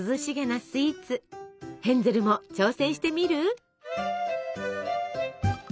ヘンゼルも挑戦してみる？